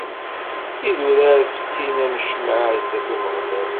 Idurar fettin am ccmaɛ sdat Umeɣlal.